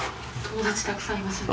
友達たくさんいますね。